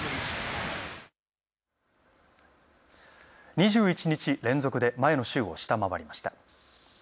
２１日連続で、前の週を下回りました。